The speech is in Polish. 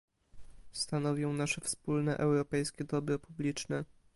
Stanowią nasze wspólne europejskie dobro publiczne